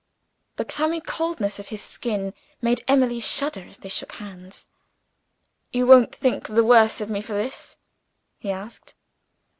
The clammy coldness of his skin made Emily shudder, as they shook hands. "You won't think the worse of me for this?" he asked.